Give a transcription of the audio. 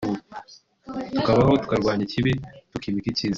tukabaho turwanya ikibi tukimika icyiza